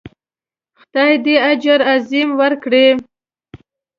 خدای دې اجر عظیم ورکړي.